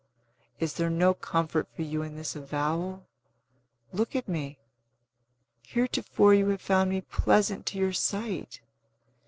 Is there no comfort for you in this avowal? Look at me! Heretofore you have found me pleasant to your sight.